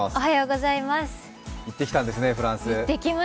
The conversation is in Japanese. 行ってきたんですね、フランス。